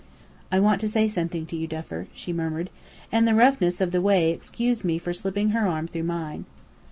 "I want to say something to you, Duffer," she murmured; and the roughness of the way excused me for slipping her arm through mine.